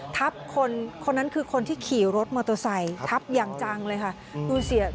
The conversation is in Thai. ทับคนคนนั้นคือคนที่ขี่รถมอเตอร์ไซค์ทับอย่างจังเลยค่ะดูสิ